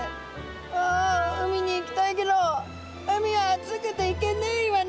「あ海に行きたいけど海は熱くて行けねえイワナ」。